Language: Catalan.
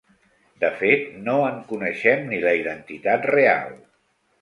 De fet, no en coneixem ni la identitat real.